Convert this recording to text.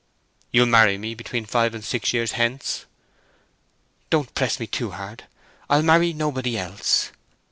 "You'll marry me between five and six years hence?" "Don't press me too hard. I'll marry nobody else."